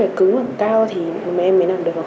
với phải cứng hoặc cao thì mấy em mới nằm được